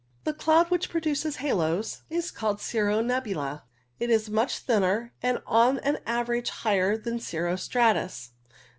The cloud which produces halos is called cirro nebula. It is much thinner, and on an average higher than cirro stratus.